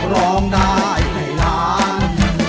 ร้องได้ให้ล้าน